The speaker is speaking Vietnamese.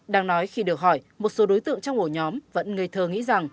đang nói khi được hỏi một số đối tượng trong ổ nhóm vẫn ngây thơ nghĩ rằng